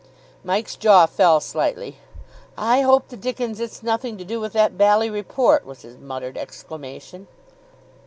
Mike's jaw fell slightly. "I hope the dickens it's nothing to do with that bally report," was his muttered exclamation.